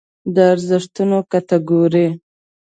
د ارزښتونو کټګورۍ